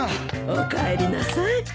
おかえりなさい。